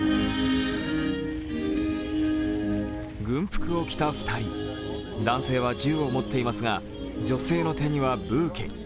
軍服を着た２人男性は銃を持っていますが女性の手にはブーケ。